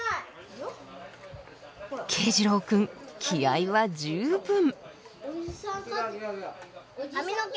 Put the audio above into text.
慶士郎君気合いは十分。